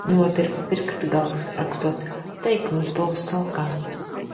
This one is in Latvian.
Notirpa pirksta gals, rakstot teikumus balsu talkā.